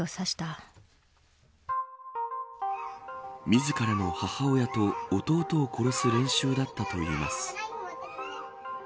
自らの母親と弟を殺す練習だったといいます。